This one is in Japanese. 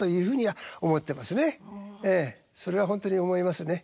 それはほんとに思いますね。